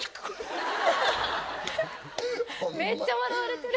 めっちゃ笑われてる。